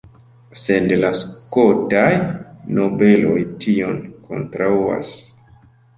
Sed la skotaj nobeloj tion kontraŭas.